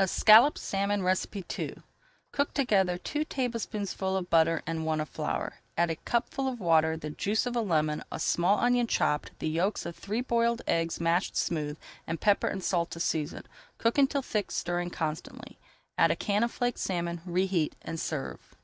ESCALLOPED SALMON II Cook together two tablespoonfuls of butter and one of flour. Add a cupful of water, the juice of a lemon, a small onion chopped, the yolks of three boiled eggs mashed smooth, and pepper and salt to season. Cook until thick, stirring constantly. Add a can of flaked salmon, reheat, and serve.